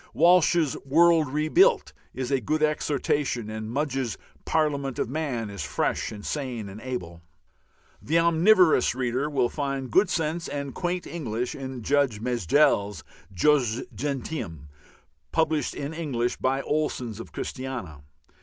Walsh's "World Rebuilt" is a good exhortation, and Mugge's "Parliament of Man" is fresh and sane and able. The omnivorous reader will find good sense and quaint English in Judge Mejdell's "Jus Gentium," published in English by Olsen's of Christiania.